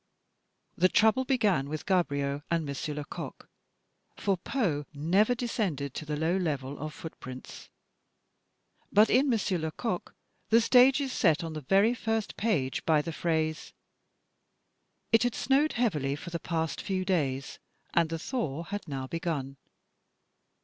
The trouble began with Gaboriau and M. Lecoq, for Poe never descended to the low level of footprints. But in "Monsieur Lecoq," the stage is set on the very first page by the phrase, "It had snowed heavily for the past few days and the thaw had now begim."